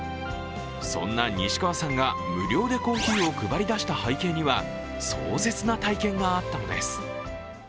そんな西川さんが無料でコーヒーを配り出した背景には壮絶な体験があったのです。